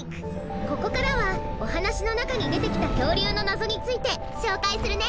ここからはおはなしのなかにでてきたきょうりゅうのなぞについてしょうかいするね。